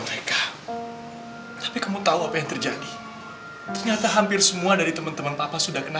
mereka tapi kamu tahu apa yang terjadi ternyata hampir semua dari teman teman papa sudah kena